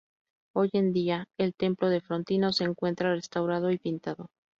Hoy en día, el templo de Frontino se encuentra restaurado y pintado.